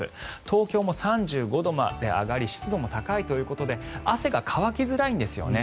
東京も３５度まで上がり湿度も高いということで汗が乾きづらいんですよね。